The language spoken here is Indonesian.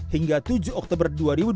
hingga tujuh oktober dua ribu dua puluh